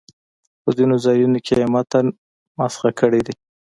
په ځینو ځایونو کې یې متن مسخ کړی دی.